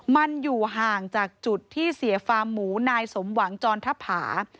มันอยู่ห่างจากจุดที่เสียฟาร์มหมูนายสมหวังจรทภา